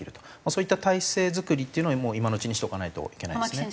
そういった体制作りっていうのをもう今のうちにしておかないといけないですね。